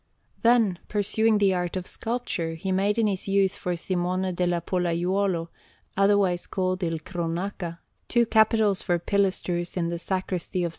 Spirito_) Alinari] Then, pursuing the art of sculpture, he made in his youth for Simone del Pollaiuolo, otherwise called Il Cronaca, two capitals for pilasters in the Sacristy of S.